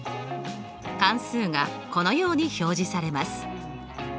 関数がこのように表示されます。